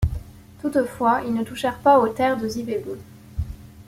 Toutefois, ils ne touchèrent pas aux terres de Zibhebhu.